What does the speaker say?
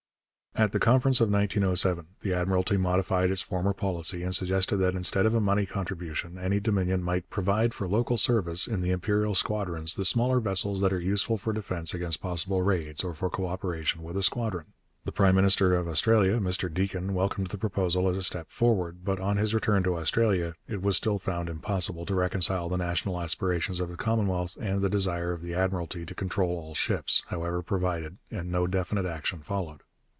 At the Conference of 1907 the Admiralty modified its former policy and suggested that instead of a money contribution any Dominion might 'provide for local service in the imperial squadrons the smaller vessels that are useful for defence against possible raids or for co operation with a squadron.' The prime minister of Australia, Mr Deakin, welcomed the proposal as a step forward, but on his return to Australia it was still found impossible to reconcile the national aspirations of the Commonwealth and the desire of the Admiralty to control all ships, however provided, and no definite action followed.